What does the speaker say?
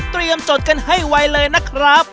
เตรียมจดกันให้ไวเลยนะครับ